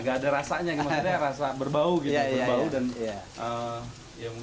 gak ada rasanya maksudnya rasa berbau gitu